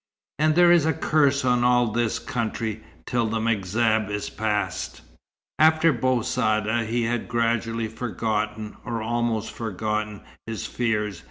And there is a curse on all this country, till the M'Zab is passed." After Bou Saada, he had gradually forgotten, or almost forgotten, his fears.